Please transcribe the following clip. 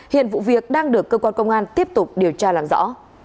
hiện vụ việc đang được cơ quan công an tiếp tục điều tra làm rõ